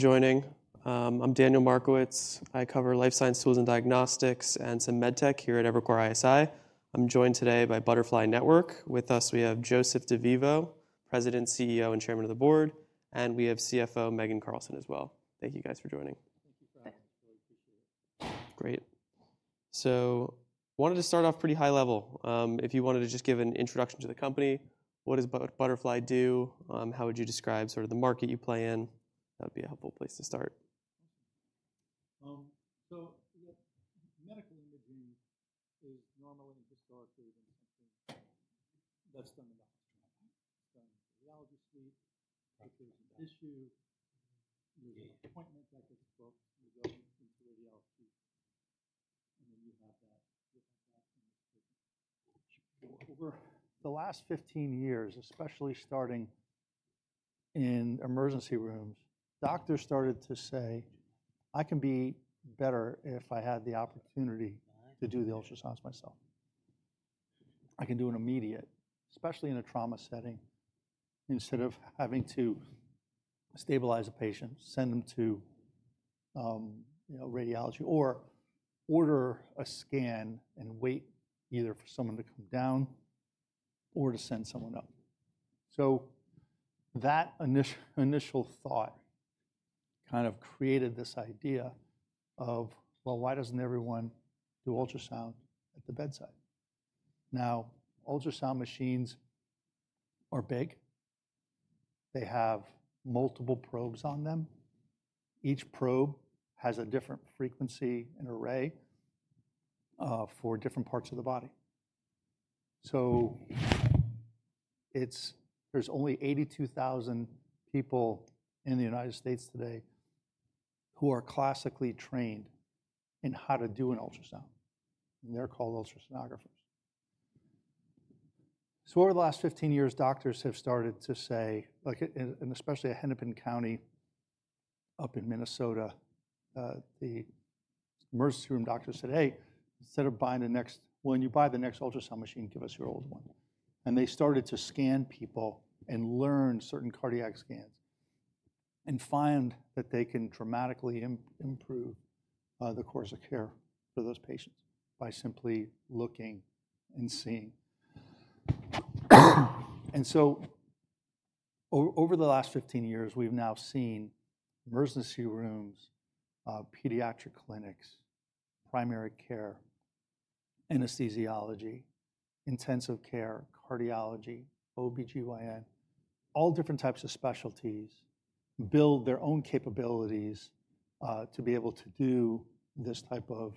Joining. I'm Daniel Markowitz. I cover life science tools and diagnostics and some med tech here at Evercore ISI. I'm joined today by Butterfly Network. With us, we have Joseph DeVivo, President, CEO, and Chairman of the Board, and we have CFO Megan Carlson as well. Thank you, guys, for joining. Great. So I wanted to start off pretty high level. If you wanted to just give an introduction to the company, what does Butterfly do? How would you describe sort of the market you play in? That would be a helpful place to start. So medical imaging is normally historically been something that's done in the hospital. It's done in the radiology suite. If there's an issue, you have an appointment, that gets booked, and you go into radiology. And then you have that. The last 15 years, especially starting in emergency rooms, doctors started to say, "I can be better if I had the opportunity to do the ultrasounds myself." I can do an immediate, especially in a trauma setting, instead of having to stabilize a patient, send them to radiology, or order a scan and wait either for someone to come down or to send someone up. So that initial thought kind of created this idea of, well, why doesn't everyone do ultrasound at the bedside? Now, ultrasound machines are big. They have multiple probes on them. Each probe has a different frequency and array for different parts of the body. So there's only 82,000 people in the United States today who are classically trained in how to do an ultrasound. And they're called ultrasonographers. So over the last 15 years, doctors have started to say, and especially at Hennepin County up in Minnesota, the emergency room doctors said, "Hey, instead of buying the next one, you buy the next ultrasound machine. Give us your old one." And they started to scan people and learn certain cardiac scans and find that they can dramatically improve the course of care for those patients by simply looking and seeing. And so over the last 15 years, we've now seen emergency rooms, pediatric clinics, primary care, anesthesiology, intensive care, cardiology, OB-GYN, all different types of specialties build their own capabilities to be able to do this type of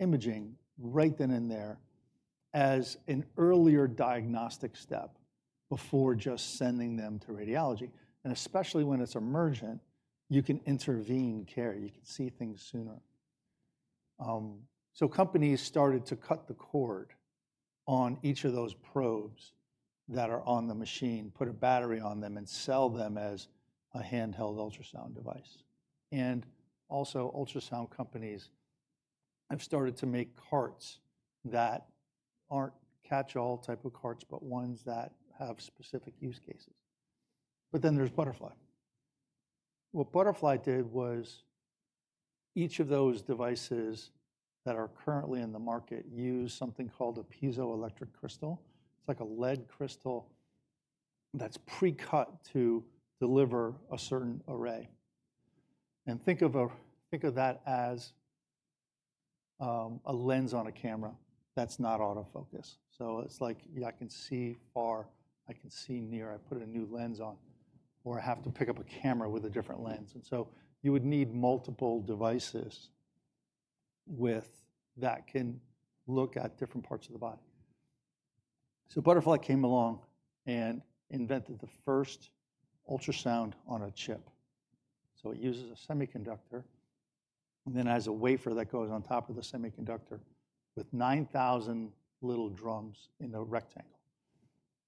imaging right then and there as an earlier diagnostic step before just sending them to radiology. And especially when it's emergent, you can intervene care. You can see things sooner. So companies started to cut the cord on each of those probes that are on the machine, put a battery on them, and sell them as a handheld ultrasound device. And also, ultrasound companies have started to make carts that aren't catch-all type of carts, but ones that have specific use cases. But then there's Butterfly. What Butterfly did was each of those devices that are currently in the market use something called a piezoelectric crystal. It's like a lead crystal that's pre-cut to deliver a certain array. And think of that as a lens on a camera that's not autofocus. So it's like, yeah, I can see far. I can see near. I put a new lens on. Or I have to pick up a camera with a different lens. And so you would need multiple devices that can look at different parts of the body. So Butterfly came along and invented the first ultrasound on a chip. So it uses a semiconductor and then has a wafer that goes on top of the semiconductor with 9,000 little drums in a rectangle.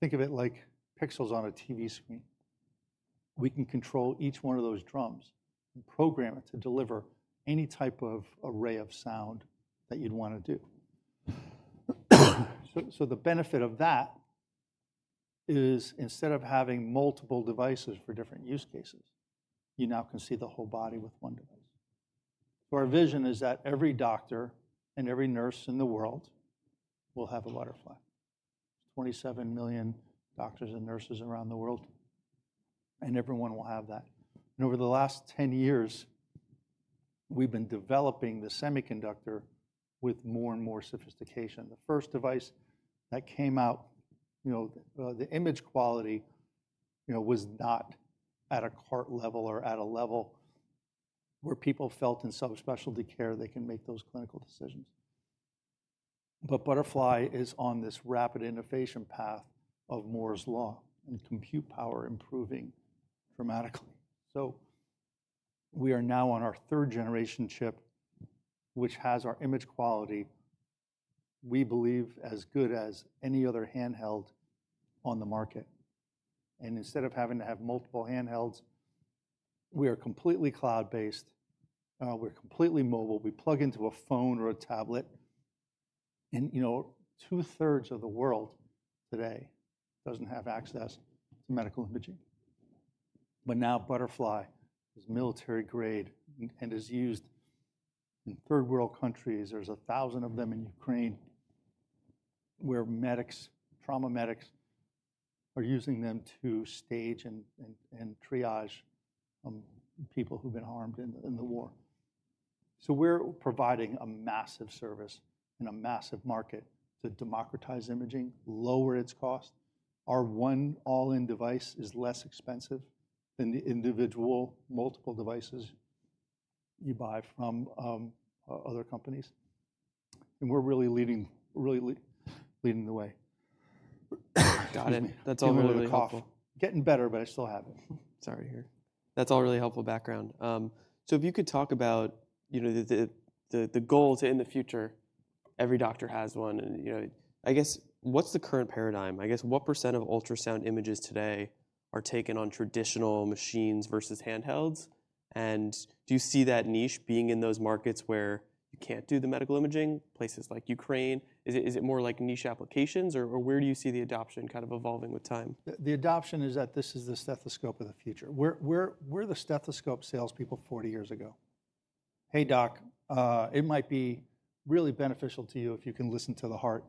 Think of it like pixels on a TV screen. We can control each one of those drums and program it to deliver any type of array of sound that you'd want to do. So the benefit of that is instead of having multiple devices for different use cases, you now can see the whole body with one device. So our vision is that every doctor and every nurse in the world will have a Butterfly. 27 million doctors and nurses around the world. And everyone will have that. And over the last 10 years, we've been developing the semiconductor with more and more sophistication. The first device that came out, the image quality was not at a cart level or at a level where people felt in subspecialty care they can make those clinical decisions. But Butterfly is on this rapid innovation path of Moore's Law and compute power improving dramatically. We are now on our third-generation chip, which has our image quality, we believe, as good as any other handheld on the market. Instead of having to have multiple handhelds, we are completely cloud-based. We're completely mobile. We plug into a phone or a tablet. Two-thirds of the world today doesn't have access to medical imaging. Now Butterfly is military-grade and is used in third-world countries. There's 1,000 of them in Ukraine where trauma medics are using them to stage and triage people who've been harmed in the war. So we're providing a massive service and a massive market to democratize imaging, lower its cost. Our one all-in device is less expensive than the individual multiple devices you buy from other companies. And we're really leading the way. Got it. That's all really helpful. Getting better, but I still have it. Sorry to hear. That's all really helpful background. So if you could talk about the goal to, in the future, every doctor has one. I guess, what's the current paradigm? I guess, what % of ultrasound images today are taken on traditional machines versus handhelds? And do you see that niche being in those markets where you can't do the medical imaging, places like Ukraine? Is it more like niche applications? Or where do you see the adoption kind of evolving with time? The adoption is that this is the stethoscope of the future. We're the stethoscope salespeople 40 years ago. "Hey, doc, it might be really beneficial to you if you can listen to the heart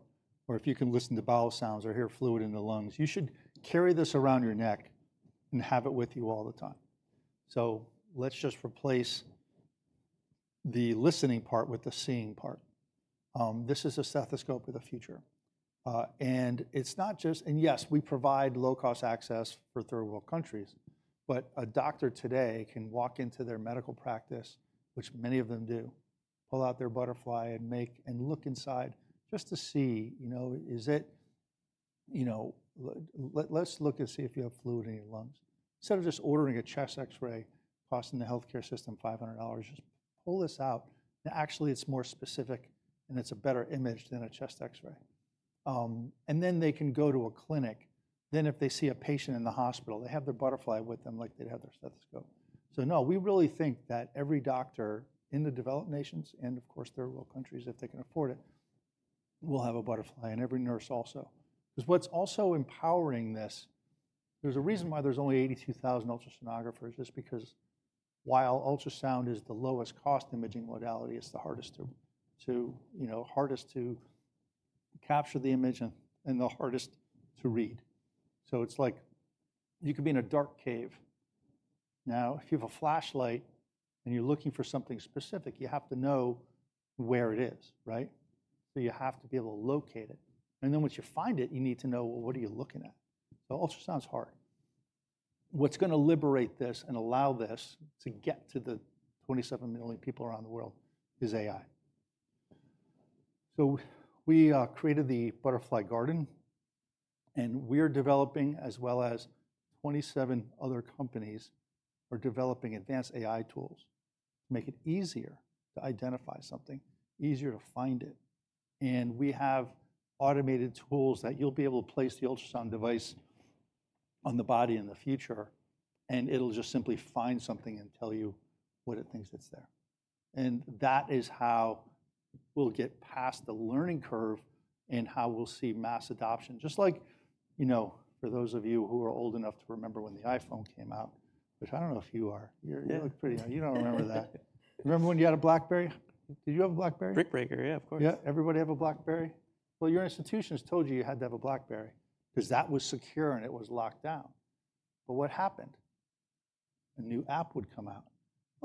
or if you can listen to bowel sounds or hear fluid in the lungs. You should carry this around your neck and have it with you all the time." So let's just replace the listening part with the seeing part. This is a stethoscope of the future. And it's not just, and yes, we provide low-cost access for third-world countries. But a doctor today can walk into their medical practice, which many of them do, pull out their Butterfly and look inside just to see, is it, let's look and see if you have fluid in your lungs. Instead of just ordering a chest X-ray, costing the healthcare system $500, just pull this out. Actually, it's more specific and it's a better image than a chest X-ray. Then they can go to a clinic. Then if they see a patient in the hospital, they have their Butterfly with them like they'd have their stethoscope. We really think that every doctor in the developed nations and, of course, third-world countries, if they can afford it, will have a Butterfly. Every nurse also. Because what's also empowering this, there's a reason why there's only 82,000 ultrasonographers. It's because while ultrasound is the lowest-cost imaging modality, it's the hardest to capture the image and the hardest to read. It's like you could be in a dark cave. Now, if you have a flashlight and you're looking for something specific, you have to know where it is, right? You have to be able to locate it. And then once you find it, you need to know, well, what are you looking at? So ultrasound's hard. What's going to liberate this and allow this to get to the 27 million people around the world is AI. So we created the Butterfly Garden. And we're developing, as well as 27 other companies, are developing advanced AI tools to make it easier to identify something, easier to find it. And we have automated tools that you'll be able to place the ultrasound device on the body in the future, and it'll just simply find something and tell you what it thinks it's there. And that is how we'll get past the learning curve and how we'll see mass adoption. Just like for those of you who are old enough to remember when the iPhone came out, which I don't know if you are. You look pretty. You don't remember that. Remember when you had a BlackBerry? Did you have a BlackBerry? Brick Breaker, yeah, of course. Yeah? Everybody have a BlackBerry? Well, your institution has told you you had to have a BlackBerry because that was secure and it was locked down. But what happened? A new app would come out.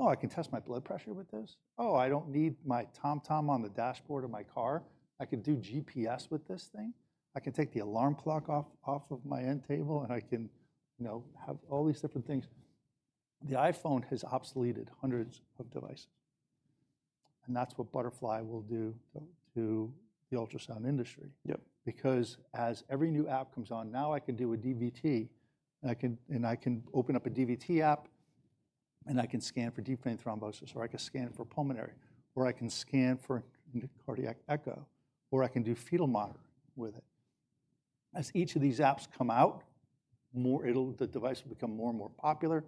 Oh, I can test my blood pressure with this. Oh, I don't need my TomTom on the dashboard of my car. I can do GPS with this thing. I can take the alarm clock off of my end table, and I can have all these different things. The iPhone has obsoleted hundreds of devices, and that's what Butterfly will do to the ultrasound industry. Because as every new app comes on, now I can do a DVT, and I can open up a DVT app, and I can scan for deep vein thrombosis, or I can scan for pulmonary, or I can scan for cardiac echo, or I can do fetal monitoring with it. As each of these apps come out, the device will become more and more popular.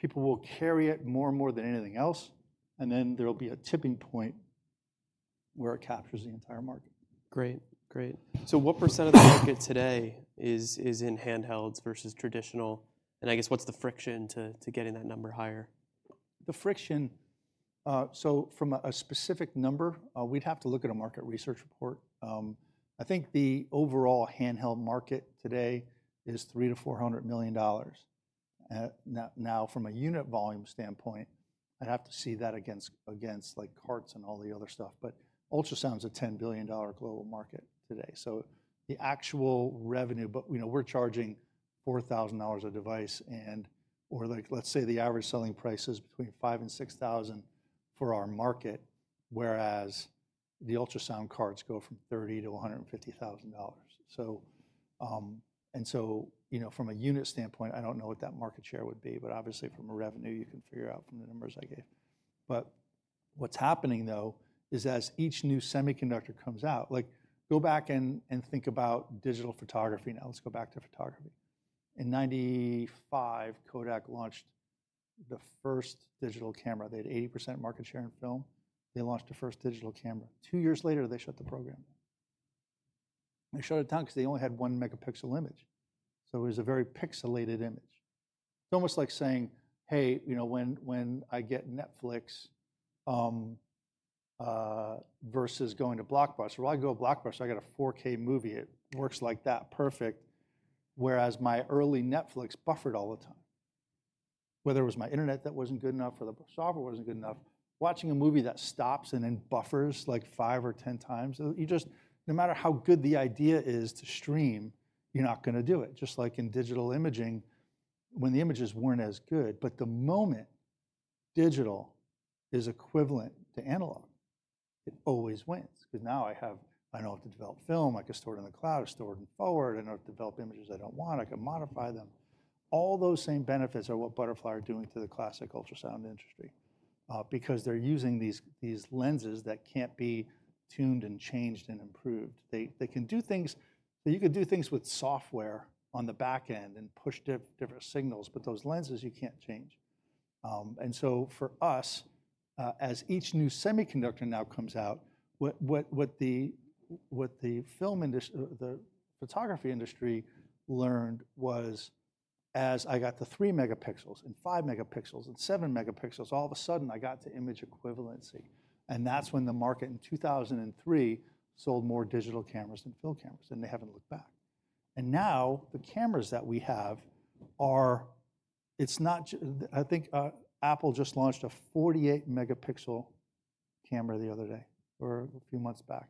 People will carry it more and more than anything else. And then there'll be a tipping point where it captures the entire market. Great. Great. So what percent of the market today is in handhelds versus traditional? And I guess, what's the friction to getting that number higher? The friction, so from a specific number, we'd have to look at a market research report. I think the overall handheld market today is $300-$400 million. Now, from a unit volume standpoint, I'd have to see that against carts and all the other stuff. But ultrasound's a $10 billion global market today. So the actual revenue, but we're charging $4,000 a device. And let's say the average selling price is between $5,000-$6,000 for our market, whereas the ultrasound carts go from $30,000-$150,000. And so from a unit standpoint, I don't know what that market share would be. But obviously, from a revenue, you can figure out from the numbers I gave. But what's happening, though, is as each new semiconductor comes out, go back and think about digital photography. Now, let's go back to photography. In 1995, Kodak launched the first digital camera. They had 80% market share in film. They launched the first digital camera. Two years later, they shut the program down. They shut it down because they only had one megapixel image. So it was a very pixelated image. It's almost like saying, "Hey, when I get Netflix versus going to Blockbuster, well, I go to Blockbuster. I got a 4K movie. It works like that. Perfect." Whereas my early Netflix buffered all the time. Whether it was my internet that wasn't good enough or the software wasn't good enough, watching a movie that stops and then buffers like five or 10 times, no matter how good the idea is to stream, you're not going to do it. Just like in digital imaging, when the images weren't as good. But the moment digital is equivalent to analog, it always wins. Because now I have I know how to develop film. I can store it in the cloud. I can store it in forward. I know how to develop images I don't want. I can modify them. All those same benefits are what Butterfly are doing to the classic ultrasound industry. Because they're using these lenses that can't be tuned and changed and improved. They can do things so you could do things with software on the back end and push different signals. But those lenses, you can't change. And so for us, as each new semiconductor now comes out, what the photography industry learned was as I got the three megapixels and five megapixels and seven megapixels, all of a sudden, I got to image equivalency. And that's when the market in 2003 sold more digital cameras than film cameras. And they haven't looked back. Now the cameras that we have are, I think, Apple just launched a 48-megapixel camera the other day or a few months back.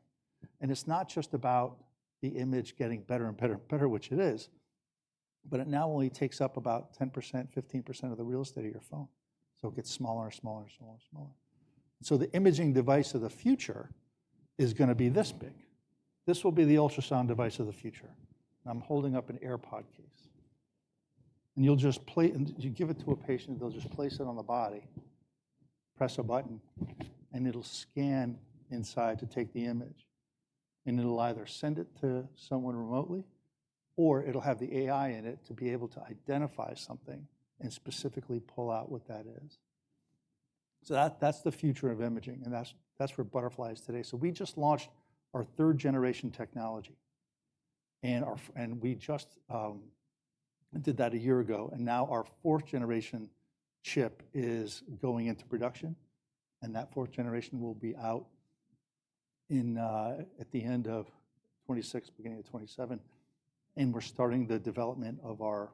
It's not just about the image getting better and better and better, which it is, but it now only takes up about 10%, 15% of the real estate of your phone. It gets smaller and smaller and smaller and smaller. The imaging device of the future is going to be this big. This will be the ultrasound device of the future. I'm holding up an AirPods case. You'll just give it to a patient. They'll just place it on the body, press a button, and it'll scan inside to take the image. It'll either send it to someone remotely or it'll have the AI in it to be able to identify something and specifically pull out what that is. That's the future of imaging. And that's where Butterfly is today. We just launched our third-generation technology. And we just did that a year ago. And now our fourth-generation chip is going into production. And that fourth generation will be out at the end of 2026, beginning of 2027. And we're starting the development of our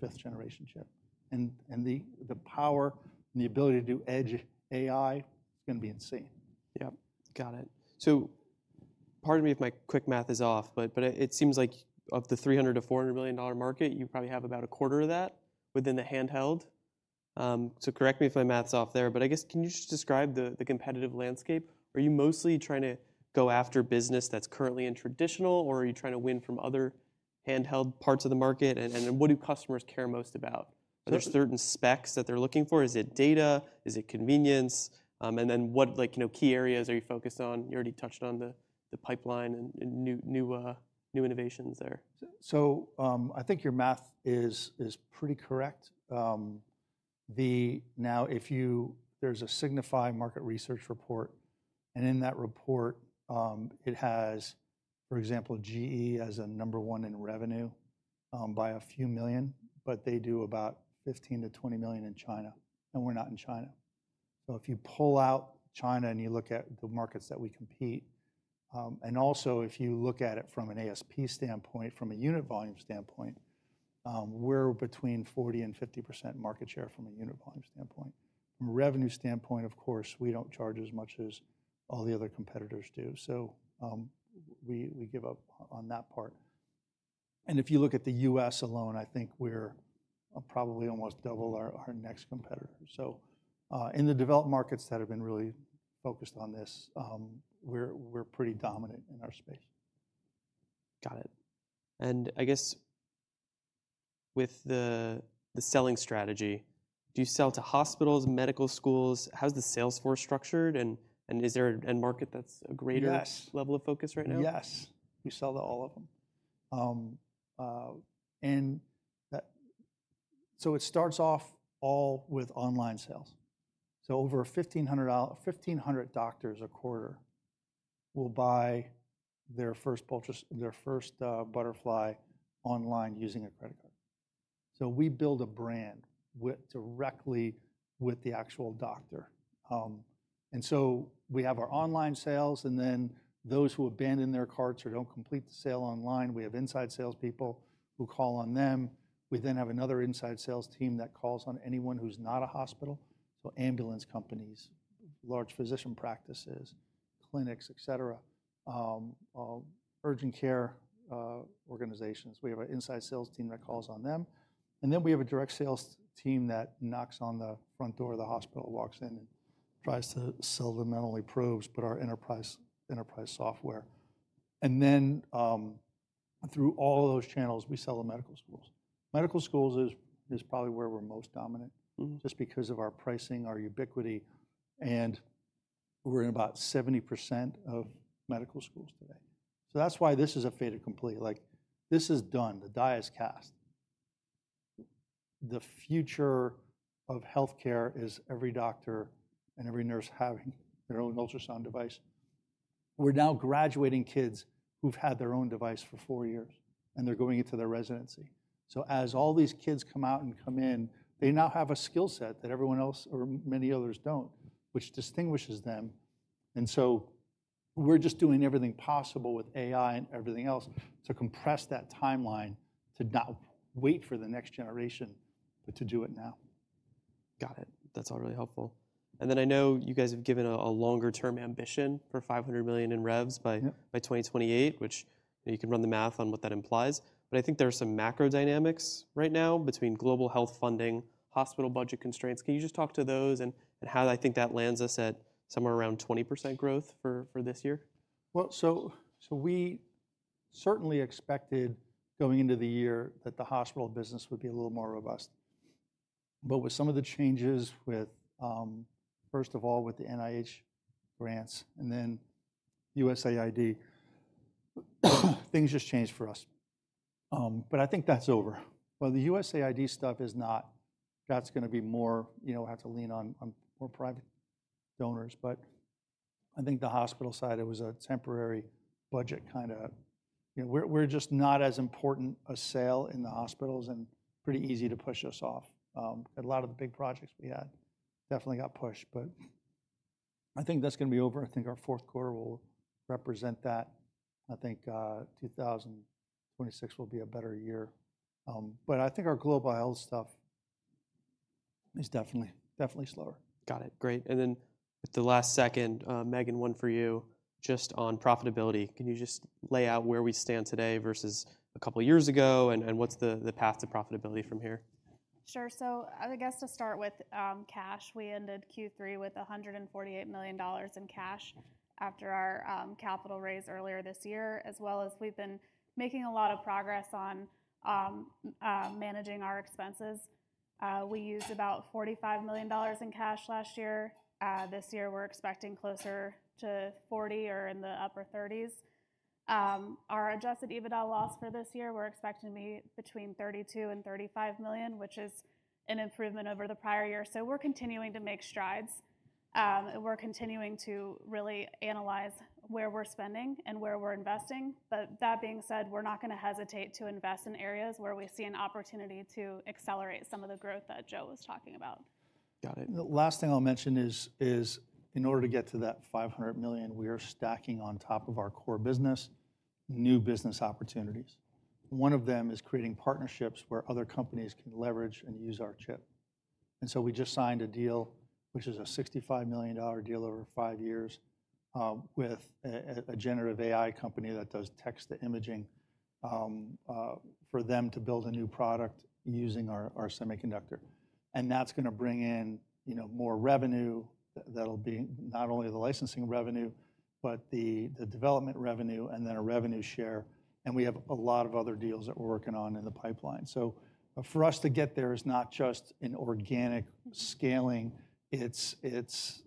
fifth-generation chip. And the power and the ability to do edge AI is going to be insane. Yep. Got it. So pardon me if my quick math is off. But it seems like of the $300-$400 million market, you probably have about a quarter of that within the handheld. So correct me if my math's off there. But I guess, can you just describe the competitive landscape? Are you mostly trying to go after business that's currently in traditional, or are you trying to win from other handheld parts of the market? And what do customers care most about? Are there certain specs that they're looking for? Is it data? Is it convenience? And then what key areas are you focused on? You already touched on the pipeline and new innovations there. So I think your math is pretty correct. Now, there's a Signify Research report. And in that report, it has, for example, GE as number one in revenue by a few million. But they do about $15-$20 million in China. And we're not in China. So if you pull out China and you look at the markets that we compete, and also if you look at it from an ASP standpoint, from a unit volume standpoint, we're between 40%-50% market share from a unit volume standpoint. From a revenue standpoint, of course, we don't charge as much as all the other competitors do. So we give up on that part. And if you look at the U.S. alone, I think we're probably almost double our next competitor. So in the developed markets that have been really focused on this, we're pretty dominant in our space. Got it. And I guess, with the selling strategy, do you sell to hospitals, medical schools? How's the sales force structured? And is there a market that's a greater level of focus right now? Yes. We sell to all of them, and so it starts off all with online sales. So over 1,500 doctors a quarter will buy their first Butterfly online using a credit card. So we build a brand directly with the actual doctor, and so we have our online sales. And then those who abandon their carts or don't complete the sale online, we have inside salespeople who call on them. We then have another inside sales team that calls on anyone who's not a hospital. So ambulance companies, large physician practices, clinics, et cetera, urgent care organizations. We have an inside sales team that calls on them, and then we have a direct sales team that knocks on the front door of the hospital, walks in, and tries to sell them not only probes, but our enterprise software. And then through all of those channels, we sell to medical schools. Medical schools is probably where we're most dominant just because of our pricing, our ubiquity. And we're in about 70% of medical schools today. So that's why this is a fated to complete. This is done. The die is cast. The future of healthcare is every doctor and every nurse having their own ultrasound device. We're now graduating kids who've had their own device for four years. And they're going into their residency. So as all these kids come out and come in, they now have a skill set that everyone else or many others don't, which distinguishes them. And so we're just doing everything possible with AI and everything else to compress that timeline to not wait for the next generation, but to do it now. Got it. That's all really helpful. And then I know you guys have given a longer-term ambition for $500 million in revs by 2028, which you can run the math on what that implies. But I think there are some macro dynamics right now between global health funding, hospital budget constraints. Can you just talk to those and how I think that lands us at somewhere around 20% growth for this year? We certainly expected going into the year that the hospital business would be a little more robust. With some of the changes, first of all, with the NIH grants and then USAID, things just changed for us. I think that's over. The USAID stuff is not. That's going to be more. We'll have to lean on more private donors. I think the hospital side, it was a temporary budget kind of. We're just not as important a sale in the hospitals and pretty easy to push us off. A lot of the big projects we had definitely got pushed. I think that's going to be over. I think our fourth quarter will represent that. I think 2026 will be a better year. Our global health stuff is definitely slower. Got it. Great. And then at the last second, Megan, one for you just on profitability. Can you just lay out where we stand today versus a couple of years ago? And what's the path to profitability from here? Sure. So I guess to start with cash, we ended Q3 with $148 million in cash after our capital raise earlier this year, as well as we've been making a lot of progress on managing our expenses. We used about $45 million in cash last year. This year, we're expecting closer to $40 million or in the upper $30 million. Our adjusted EBITDA loss for this year, we're expecting to be between $32 million-$35 million, which is an improvement over the prior year. So we're continuing to make strides. And we're continuing to really analyze where we're spending and where we're investing. But that being said, we're not going to hesitate to invest in areas where we see an opportunity to accelerate some of the growth that Joe was talking about. Got it. The last thing I'll mention is in order to get to that $500 million, we are stacking on top of our core business new business opportunities. One of them is creating partnerships where other companies can leverage and use our chip. And so we just signed a deal, which is a $65 million deal over five years with a generative AI company that does text-to-imaging for them to build a new product using our semiconductor. And that's going to bring in more revenue that'll be not only the licensing revenue, but the development revenue and then a revenue share. And we have a lot of other deals that we're working on in the pipeline. So for us to get there is not just an organic scaling. It's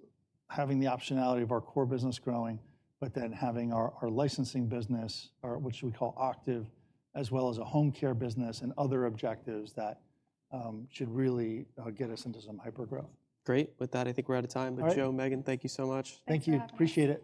having the optionality of our core business growing, but then having our licensing business, which we call Octave, as well as a home care business and other objectives that should really get us into some hyper growth. Great. With that, I think we're out of time. But Joe, Megan, thank you so much. Thank you. Appreciate it.